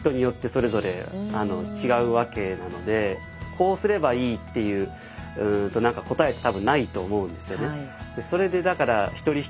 こうすればいいっていうと答えって多分ないと思うんですよね。